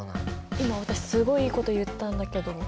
今私すごいいいこと言ったんだけど。